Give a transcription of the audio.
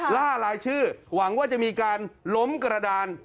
ล่ารายชื่อหวังว่าจะมีการล้มกระดาน